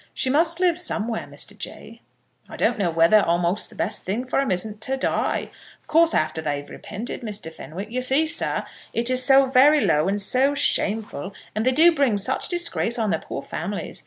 "She must live somewhere, Mr. Jay." "I don't know whether almost the best thing for 'em isn't to die, of course after they have repented, Mr. Fenwick. You see, sir, it is so very low, and so shameful, and they do bring such disgrace on their poor families.